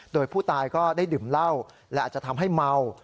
โดยผู้ตายก็ได้ดื่มเหล้าและอาจจะทำให้เมา